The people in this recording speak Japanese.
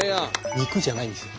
肉じゃないんですよ。